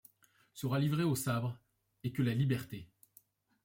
Sera livrée au sabre, et que la liberté